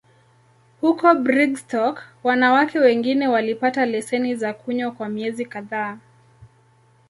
Huko Brigstock, wanawake wengine walipata leseni za kunywa kwa miezi kadhaa.